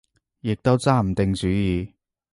亦都揸唔定主意